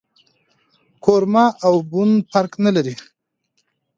کورمه او بوڼ فرق نه لري